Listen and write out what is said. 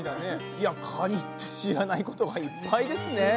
いやカニって知らないことがいっぱいですね。